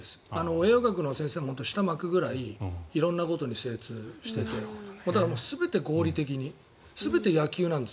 栄養学の先生も舌を巻くぐらい色んなことに精通していて全て合理的に全て野球なんです。